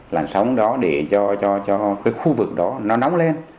làn sóng đó để cho khu vực đó nóng lên